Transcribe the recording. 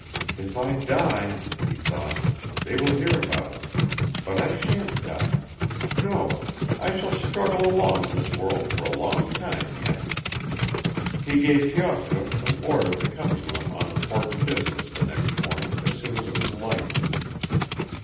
"If I die," he thought, "they will hear about it; but I shan't die; no, I shall struggle along in this world for a long time yet." He gave Pyotr an order to come to him on important business the next morning as soon as it was light.